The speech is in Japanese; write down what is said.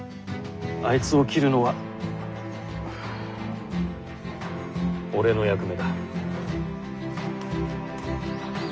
あいつを斬るのは俺の役目だ。